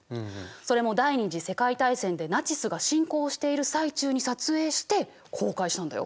それも第二次世界大戦でナチスが侵攻している最中に撮影して公開したんだよ。